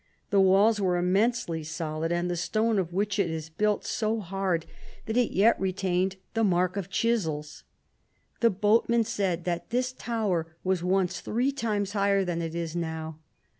The walls are im ^ mensely solid, and the stone of which it is built so hard, that it yet retained 109 the mark of chisels. The boatmen said, that this tower was once three times higher than it is now.